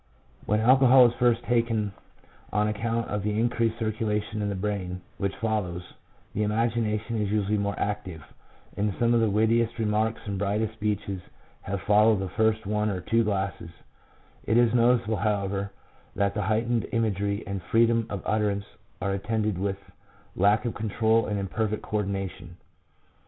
When alcohol is first taken, on account of the increased circulation in the brain which follows, the imagination is usually more active, and some of the wittiest remarks and brightest speeches have followed the first one or two glasses; it is noticeable, however, that the heightened imagery and freedom of utterance are attended with lack of control and imperfect co ordination.